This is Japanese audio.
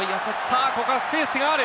ここはスペースがある。